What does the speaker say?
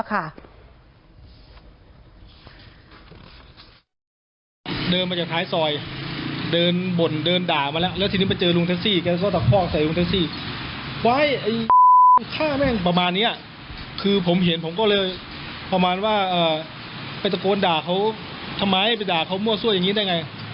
ก็เลยประมาณว่าไปตะโกนด่าเขาทำไมให้ไปด่าเขามั่วส้วนอย่างนี้ได้ไง